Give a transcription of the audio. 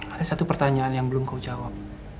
ada satu pertanyaan yang belum kau jawab